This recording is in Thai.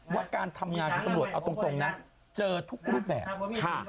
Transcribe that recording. ว่าการทำงานของตำรวจเอาตรงนะเจอทุกรูปแบบค่ะ